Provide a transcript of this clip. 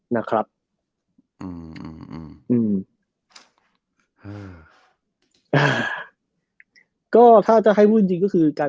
ทีมเราจะย้ายดีอีกหรอ